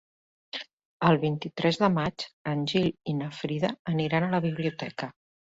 El vint-i-tres de maig en Gil i na Frida aniran a la biblioteca.